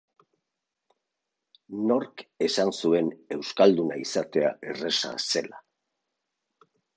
Nork esan zuen euskalduna izatea erreza zela?